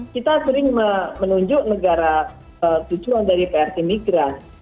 kita sering menunjuk negara tujuan dari prt migran